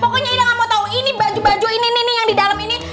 pokoknya iya gak mau tau ini baju baju ini nih yang di dalam ini